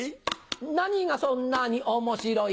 何がそんなに面白い？